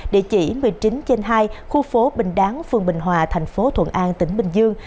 địa chỉ một mươi chín trên hai khu phố bình đáng phường bình hòa thành phố thuận an tỉnh bình dương